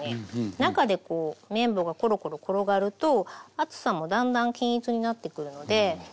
中でこう麺棒がコロコロ転がると厚さもだんだん均一になってくるので。